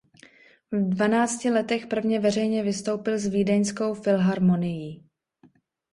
V dvanácti letech prvně veřejně vystoupil s Vídeňskou filharmonií.